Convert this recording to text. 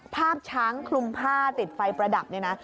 ภาพช้างคลุมผ้าติดไฟประดับเนี่ยนะ